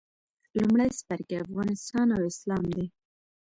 لومړی څپرکی افغانستان او اسلام دی.